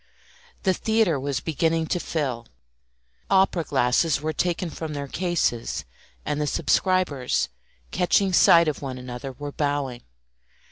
The theatre was beginning to fill; opera glasses were taken from their cases, and the subscribers, catching sight of one another, were bowing.